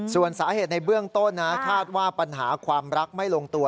ส่วนสาเหตุในเบื้องต้นนะคาดว่าปัญหาความรักไม่ลงตัว